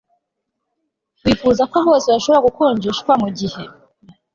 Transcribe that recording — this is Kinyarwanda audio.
wifuzaga ko bose bashobora gukonjeshwa mugihe